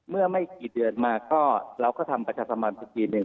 เมื่อไม่กี่เดือนมาก็เราก็ทำประชาสมัญสักทีหนึ่ง